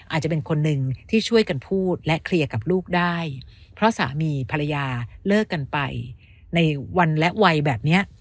อาจจะเป็นคนหนึ่งที่ช่วยกันพูดและเคลียร์กับลูกได้เพราะสามีภรรยาเลิกกันไปในวันและวัยแบบเนี้ย